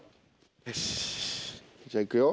よしっじゃあいくよ。